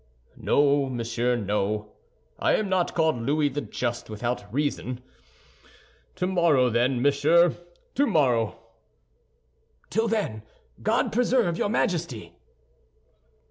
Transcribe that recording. "No, monsieur, no; I am not called Louis the Just without reason. Tomorrow, then, monsieur—tomorrow." "Till then, God preserve your Majesty!"